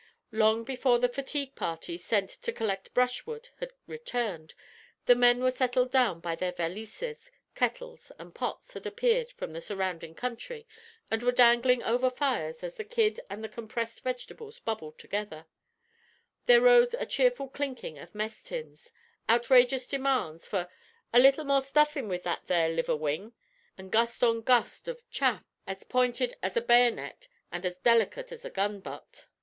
Long before the fatigue party sent to collect brushwood had returned, the men were settled down by their valises, kettles and pots had appeared from the surrounding country, and were dangling over fires as the kid and the compressed vegetables bubbled together; there rose a cheerful clinking of mess tins, outrageous demands for a "little more stuffin' with that there liver wing," and gust on gust of chaff as pointed as a bayonet and as delicate as a gun butt.